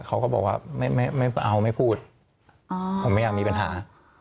เขาก็บอกว่าไม่เอาไม่พูดผมไม่อยากมีปัญหา